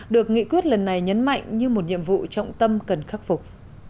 được nghị quyết lần này nhấn mạnh như một nhiệm vụ trọng tâm cần khắc phục